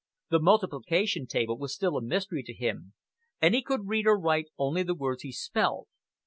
The multiplication table was still a mystery to him, and he could read or write only the words he spelled.